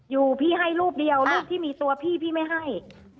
อยู่พี่ให้รูปเดียวรูปที่มีตัวพี่พี่ไม่ให้